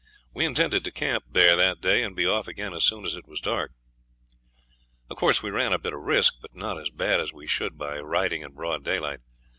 We intended to camp there that day, and be off again as soon as it was dark. Of course we ran a bit of a risk, but not as bad as we should by riding in broad daylight.